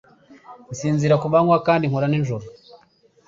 Nsinzira ku manywa kandi nkora nijoro.